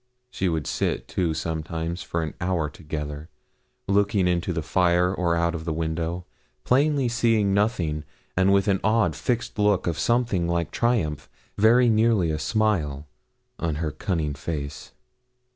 She would sit, too, sometimes for an hour together, looking into the fire or out of the window, plainly seeing nothing, and with an odd, fixed look of something like triumph very nearly a smile on her cunning face.